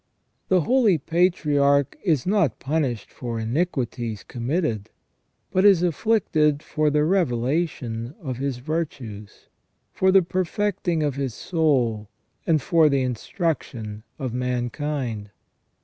The holy patriarch is not punished for iniquities committed, but is afflicted for the revelation of his virtues, for the perfecting of his soul, and for the instruction of mankind.